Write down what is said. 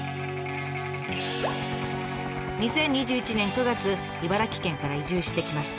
２０２１年９月茨城県から移住してきました。